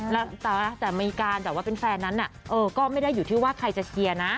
แล้วแต่อเมริกาแบบว่าเป็นแฟนนั้นก็ไม่ได้อยู่ที่ว่าใครจะเชียร์นะ